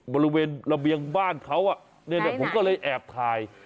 บริเวณระเบียงบ้านเขาอ่ะไหนเนี้ยผมก็เลยแอบถ่าย